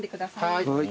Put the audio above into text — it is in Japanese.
はい。